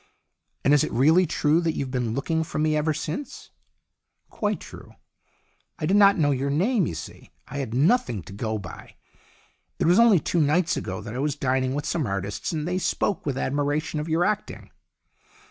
" And is it really true that you've been looking for me ever since ?" "Quite true. I did not know your name, you see. I had nothing to go by. It was only two nights ago that I was dining with some artists, and they spoke with admiration of your acting."